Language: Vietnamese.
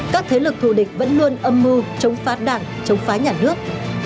các thế lực thù địch vẫn luôn âm mưu chống phá đảng chống phá nhà nước